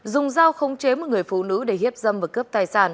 dùng dao không chế một người phụ nữ để hiếp dâm và cướp tài sản